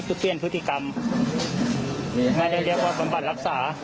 ตกลงเป็นสัญญานะหรือเป็นหนังสือลับตัวครับ